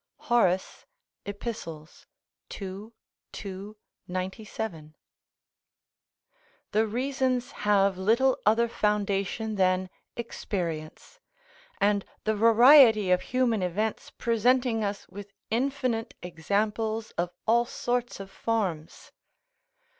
Horace, Epist., ii. 2, 97.] the reasons have little other foundation than experience, and the variety of human events presenting us with infinite examples of all sorts of forms.